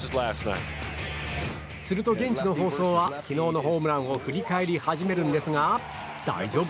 すると現地の放送は昨日のホームランを振り返り始めるんですが大丈夫？